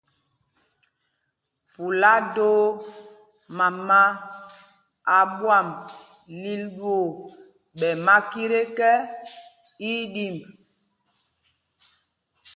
Pula doo mama a ɓwam lil ɗwoo ɓɛ makit ekɛ, í í ɗimb.